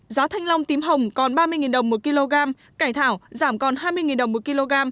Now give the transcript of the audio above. giá thanh long tím hồng còn ba mươi đồng một kg cải thảo giảm còn hai mươi đồng một kg